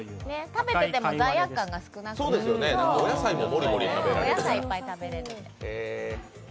食べてても罪悪感が少ないお野菜をいっぱい食べれるので。